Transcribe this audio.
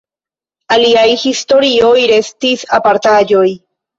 Aliaj historioj restis apartaĵoj.